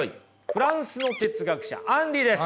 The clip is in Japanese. フランスの哲学者アンリです。